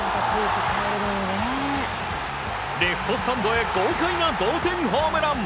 レフトスタンドへ豪快な同点ホームラン！